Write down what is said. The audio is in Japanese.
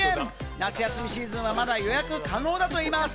夏休みシーズンはまだ予約可能だといいます。